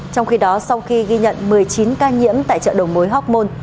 trong khi đó sau khi ghi nhận một mươi chín ca nhiễm tại chợ đầu mối hóc môn